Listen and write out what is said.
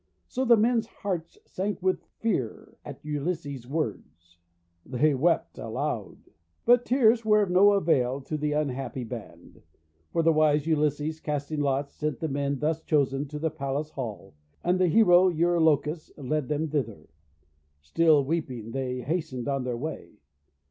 So the men's hearts sank with fear at Ulysses' words. They wept aloud. But tears were of no avail to that unhappy THE ENCHANTED SWINE 391 band! For the wise Ulysses, casting lots, sent the men thus chosen to the palace hall; and the hero Eurylochus led them thither. Still weeping, they hastened on their way.